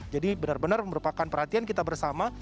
jadi benar benar merupakan perhatian kita bersama